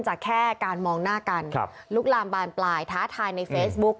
แค่การมองหน้ากันลุกลามบานปลายท้าทายในเฟซบุ๊ก